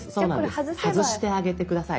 外してあげて下さい。